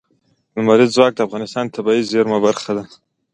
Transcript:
لمریز ځواک د افغانستان د طبیعي زیرمو برخه ده.